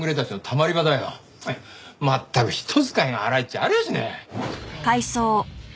まったく人使いが荒いっちゃありゃしねえ。